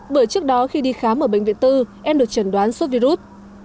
bởi trước đó khi đi khám ở bệnh viện tư em được trần đoán suốt virus